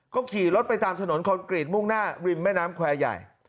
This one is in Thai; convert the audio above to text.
ก็ขี่รถไปตามถนนคอนกรีตมุ่งหน้าริมแม่น้ำแควร์ใหญ่